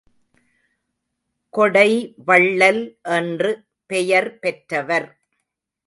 கொடை வள்ளல் என்று பெயர் பெற்றவர்.